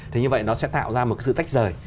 thì như vậy nó sẽ tạo ra một sự tách rời